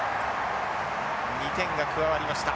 ２点が加わりました。